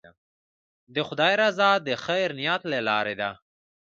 د خدای رضا د خیر نیت له لارې ده.